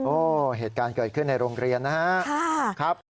เหตุการณ์เกิดขึ้นในโรงเรียนนะครับ